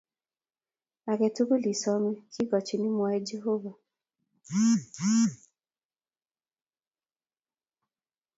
Agei tugul isomei, Kigochin mwae Jehovah